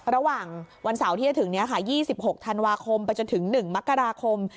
ระหว่างวันเสาร์ที่จะถึงนี้ค่ะ๒๖ธันวาคมไปจนถึง๑มกราคม